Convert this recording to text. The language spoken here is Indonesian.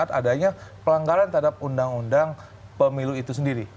adanya pelanggaran terhadap undang undang pemilu itu sendiri